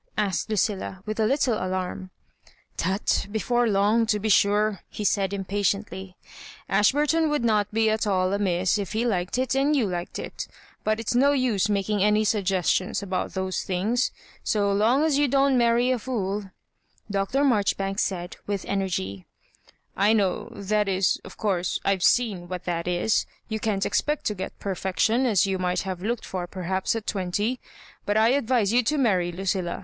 asked Lucilla, with a little alarm. " Tut — before long, to be sure," he said, impa tiently. " Ashburton would not be at all amiss if he liked it and you liked it; but it's no use making any suggestions about those things. So long as you don't marry a fool " Dr. Marjori banks said, with energy. " I know — ^that is, of course, I've seen what that is ; you can't expect to get perfection, as you might have looked for perhaps at twenty ; but I advise you to marry, Lucilla.